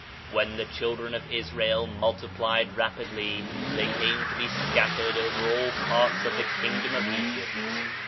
When the children of Israel multiplied rapid ly, they came to be scattered over all parts of the kingdom of Egypt.